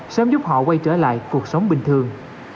sớm giúp họ quay trở lại cuộc sống bình thường